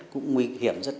cũng nguy hiểm rất